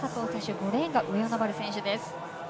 ５レーンが上与那原選手です。